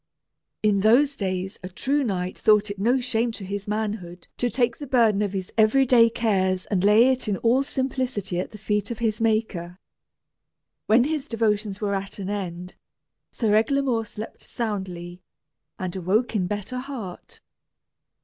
In those days a true knight thought it no shame to his manhood to take the burden of his every day cares and lay it in all simplicity at the feet of his Maker. When his devotions were at an end, Sir Eglamour slept soundly, and awoke in better heart.